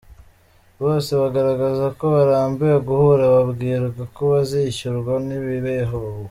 Bose bagaragaza ko barambiwe guhora babwirwa ko bazishyurwa ntibibeho.